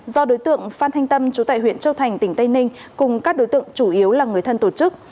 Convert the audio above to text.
do đối tượng phan thanh tâm chú tại huyện châu thành tỉnh tây ninh cùng các đối tượng chủ yếu là người thân tổ chức